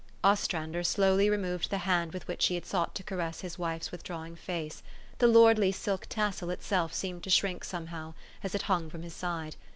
Ostrander slowly removed the hand with which he had sought to caress his wife's withdrawing face : the lordly silk tassel itself seemed to shrink some how, as it hung from his side.